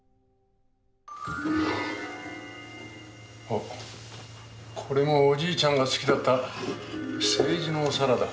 あっこれもおじいちゃんが好きだった青磁のお皿だ。